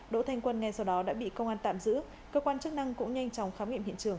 đỗ thanh quân ngay sau đó đã bị công an tạm giữ cơ quan chức năng cũng nhanh chóng khám nghiệm hiện trường